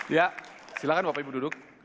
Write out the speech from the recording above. ya silahkan bapak ibu duduk